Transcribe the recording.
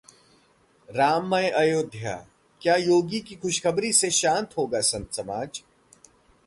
राममय अयोध्या: क्या योगी की खुशखबरी से शांत होगा संत समाज?